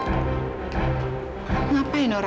agih orang saja kalau disini keluar